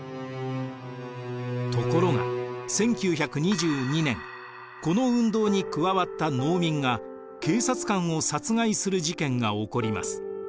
ところが１９２２年この運動に加わった農民が警察官を殺害する事件が起こります。